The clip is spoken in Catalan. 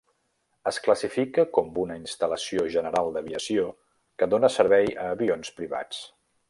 Es classifica com una instal·lació general d'aviació que dona servei a avions privats.